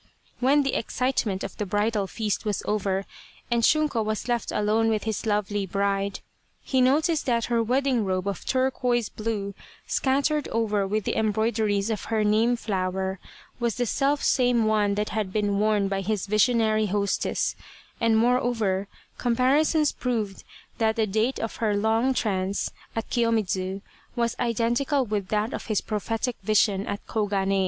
When the excitement of the bridal feast was over and Shunko was left alone with his lovely bride, he noticed that her wedding robe of turquoise blue, scattered over with embroideries of her name flower, was the self same one that had been worn by his 260 A Cherry Flower lydll visionary hostess ; and, moreover, comparisons proved that the date of her long trance at Kiyomidzu was identical with that of his prophetic vision at Koganei.